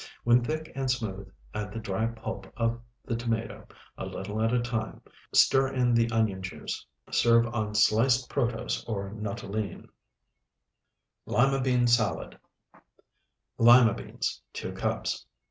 When thick and smooth, add the dry pulp of the tomato, a little at a time. Stir in the onion juice. Serve on sliced protose or nuttolene. LIMA BEAN SALAD Lima beans, 2 cups.